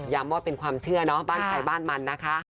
ว่าเป็นความเชื่อเนาะบ้านใครบ้านมันนะคะ